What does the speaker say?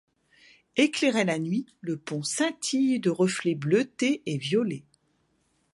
Éclairé la nuit, le pont scintille de reflets bleutés et violets.